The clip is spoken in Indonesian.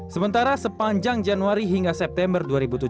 sementara sepanjang januari hingga september dua ribu dua puluh